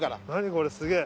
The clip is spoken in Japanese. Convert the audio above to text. これすげえ。